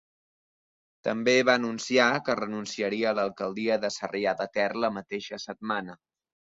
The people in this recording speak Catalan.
També va anunciar que renunciaria a l'alcaldia de Sarrià de Ter la mateixa setmana.